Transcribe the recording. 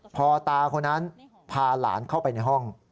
พอตาคนนั้นพาหลานเข้าไปในห้อง